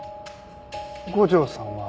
五条さんは？